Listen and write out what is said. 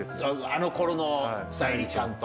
あの頃の沙莉ちゃんと。